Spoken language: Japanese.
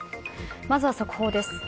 まずは速報です。